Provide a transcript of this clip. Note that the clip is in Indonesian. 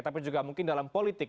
tapi juga mungkin dalam politik